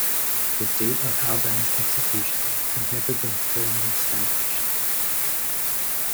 The date of Alban's execution has never been firmly established.